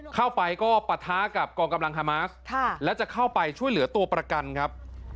เข้าไปก็ปะท้ากับกองกำลังฮามาสและจะเข้าไปช่วยเหลือตัวประกันครับ